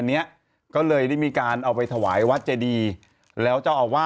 ที่ขุนพันธุ์เอามาทำสารหลักเมือง